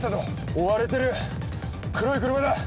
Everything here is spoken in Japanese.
追われてる黒い車だ。